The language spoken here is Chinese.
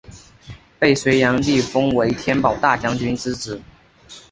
被隋炀帝封为天保大将军之职。